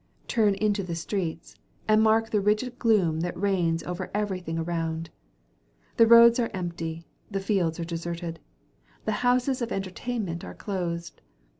Turn into the streets, and mark the rigid gloom that reigns over everything around. The roads are empty, the fields are deserted, the houses of entertainment are closed.